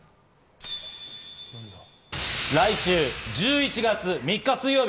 来週１１月３日水曜日。